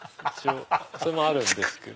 それもあるんですけど。